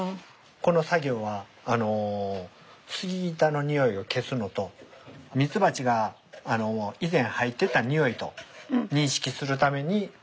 この作業は杉板のにおいを消すのとミツバチが以前入ってたにおいと認識するために蜜ろうを塗ってます。